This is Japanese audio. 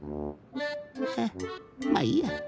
へっまあいいや。